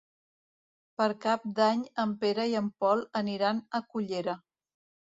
Per Cap d'Any en Pere i en Pol aniran a Cullera.